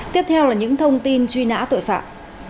tiếp theo là những thông tin truy nã tội phạm